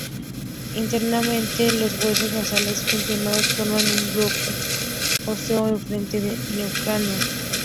Internamente, los huesos nasales fusionados forman un bloque óseo en frente del neurocráneo.